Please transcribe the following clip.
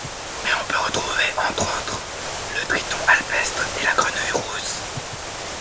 Mais on peut retrouver, entre autres, le triton alpestre et la grenouille rousse.